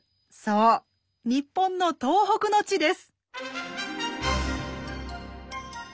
そう日本の東北の地です。